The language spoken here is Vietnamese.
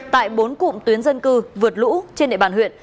tại bốn cụm tuyến dân cư vượt lũ trên địa bàn huyện